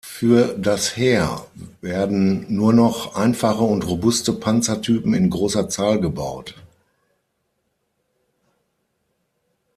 Für das Heer werden nur noch einfache und robuste Panzer-Typen in großer Zahl gebaut.